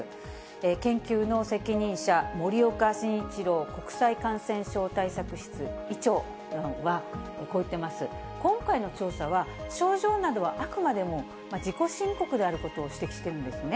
研究の責任者、森岡慎一郎国際感染症対策室医長は、こう言ってます、今回の調査は、症状などはあくまでも自己申告であることを指摘してるんですね。